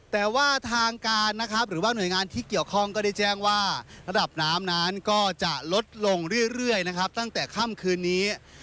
แต่ว่าทางการนะครับหรือว่าหน่วยงานที่เกี่ยวข้องก็ได้แจ้งว่าระดับน้ำนั้นก็จะลดลงเรื่อยนะครับตั้งแต่ค่ำคืนนี้